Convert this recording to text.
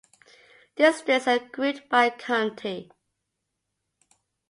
Districts are grouped by county.